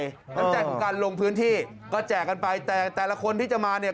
แจกของการลงพื้นที่ก็แจกกันไปแต่แต่ละคนที่จะมาเนี่ย